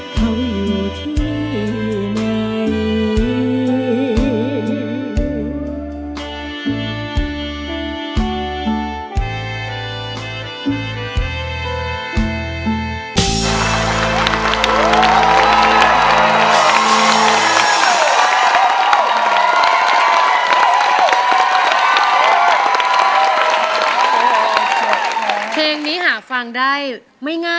เขาอยู่ที่ไหน